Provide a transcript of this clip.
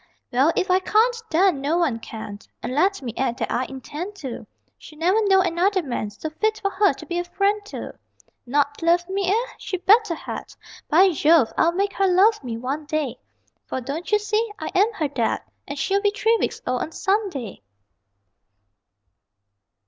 Well, if I can't then no one can And let me add that I intend to: She'll never know another man So fit for her to be a friend to. Not love me, eh? She better had! By Jove, I'll make her love me one day; For, don't you see, I am her Dad, And she'll be three weeks old on Sunday!